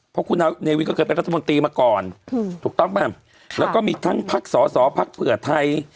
เพราะคุณเนวินก็เคยเป็นรัฐมนตรีมาก่อนถูกต้องป่ะแล้วก็มีทั้งพักสอสอพักเผื่อไทย